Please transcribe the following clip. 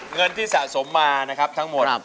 เงินที่สะสมมานะครับทั้งหมด